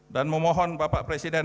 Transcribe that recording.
dan memohon bapak presiden